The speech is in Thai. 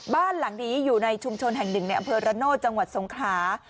บ้านหลังนี้อยู่ในชุมชนแห่งหนึ่งในอำเภอระโนธจังหวัดสงขลา